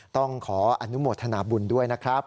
ต้องขออนุโมทนาบุญด้วยนะครับ